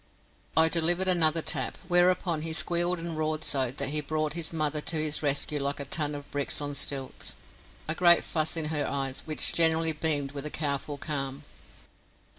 I delivered another tap, whereupon he squealed and roared so that he brought his mother to his rescue like a ton of bricks on stilts, a great fuss in her eyes which generally beamed with a cowful calm.